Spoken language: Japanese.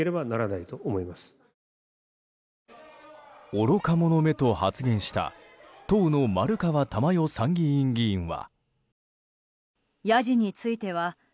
「愚か者め」と発言した当の丸川珠代参議院議員は。